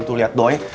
tuh lihat doi